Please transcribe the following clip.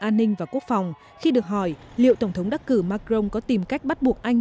an ninh và quốc phòng khi được hỏi liệu tổng thống đắc cử macron có tìm cách bắt buộc anh